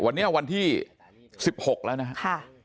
วันนี้วันที่๑๖แล้วนะครับ